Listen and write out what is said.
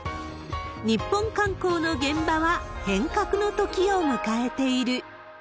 日本観光の現場は、変革のときを迎えている。